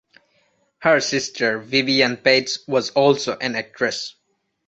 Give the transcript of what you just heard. Her sister Vivian Pates was also an actress.